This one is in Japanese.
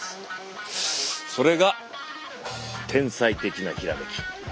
それが「天才的なひらめき」。